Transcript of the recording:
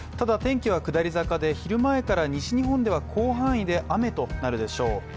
天気は下り坂で、昼前から西日本では広範囲で雨となるでしょう。